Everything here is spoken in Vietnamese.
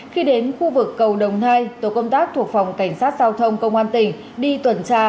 khi đến khu vực cầu đồng nai tổ công tác thuộc phòng cảnh sát giao thông công an tỉnh đi tuần tra